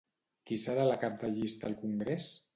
Qui serà la cap de llista al Congrés?